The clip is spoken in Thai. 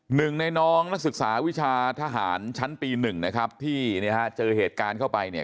หนึ่งในน้องนักศึกษาวิชาทหารชั้นปีหนึ่งนะครับที่เนี่ยฮะเจอเหตุการณ์เข้าไปเนี่ย